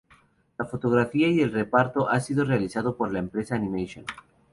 La fotografía y el reparto ha sido realizado por la empresa Animation.